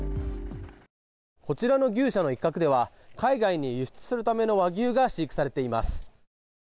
こちらの牛舎の一角では海外に輸出するための和牛が飼育されています。